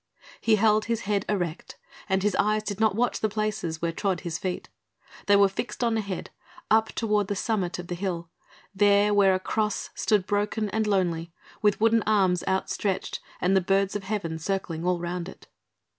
He held his head erect and his eyes did not watch the places where trod his feet. They were fixed on ahead, up toward the summit of the hill, there where a Cross stood broken and lonely with wooden arms outstretched and the birds of heaven circling all round it.